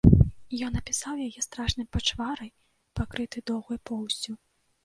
Ён апісаў яе страшным пачварай, пакрыты доўгай поўсцю.